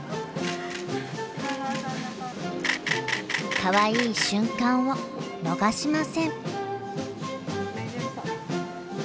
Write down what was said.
かわいい瞬間を逃しません。